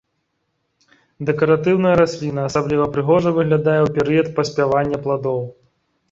Дэкаратыўная расліна, асабліва прыгожа выглядае ў перыяд паспявання пладоў.